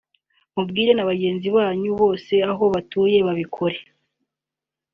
mubwire na bagenzi banyu bose aho mutuye babikore